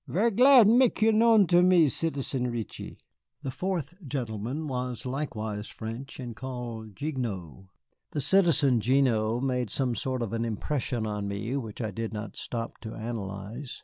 "Ver' glad mek you known to me, Citizen Reetchie." The fourth gentleman was likewise French, and called Gignoux. The Citizen Gignoux made some sort of an impression on me which I did not stop to analyze.